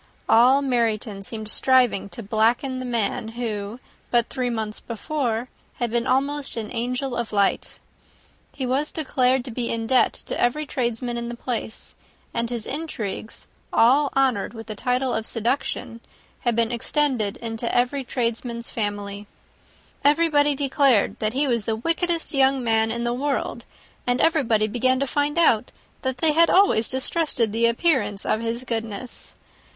All Meryton seemed striving to blacken the man who, but three months before, had been almost an angel of light. He was declared to be in debt to every tradesman in the place, and his intrigues, all honoured with the title of seduction, had been extended into every tradesman's family. Everybody declared that he was the wickedest young man in the world; and everybody began to find out that they had always distrusted the appearance of his goodness.